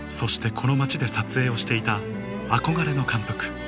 この街で撮影をしていた憧れの監督